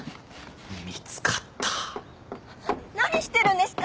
見つかった何してるんですか